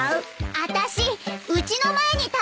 あたしうちの前に立ってたの。